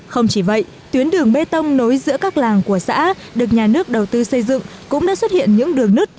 không chỉ vậy tuyến đường bê tông nối giữa các làng của xã được nhà nước đầu tư xây dựng cũng đã xuất hiện những đường nứt